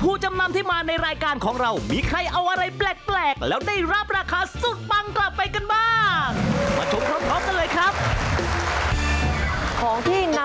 พี่จะต้องใช้สากอันนี้